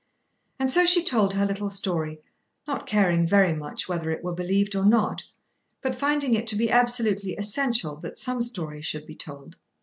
And so she told her little story; not caring very much whether it were believed or not, but finding it to be absolutely essential that some story should be told.